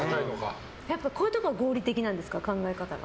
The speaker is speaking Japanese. こういうところは合理的なんですか、考え方が。